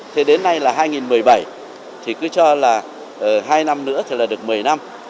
thế đến nay là hai nghìn một mươi bảy thì cứ cho là hai năm nữa thì là được một mươi năm